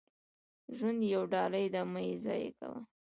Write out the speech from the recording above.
• ژوند یوه ډالۍ ده، مه یې ضایع کوه.